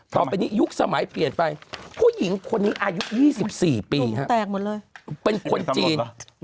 ต่อไปนี้ยุคสมัยเปลี่ยนไปผู้หญิงคนนี้อายุ๒๔ปีแตกหมดเลยเป็นคนจีน